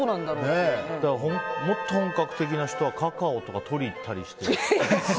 もっと本格的な人はカカオとかとりに行ったりして。